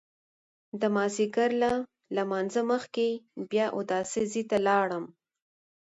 د مازیګر له لمانځه مخکې بیا د اوداسه ځای ته لاړم.